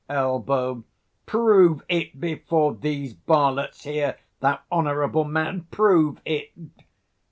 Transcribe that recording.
Elb. Prove it before these varlets here, thou honourable man; prove it.